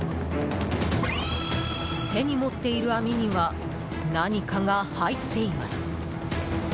手に持っている網には何かが入っています。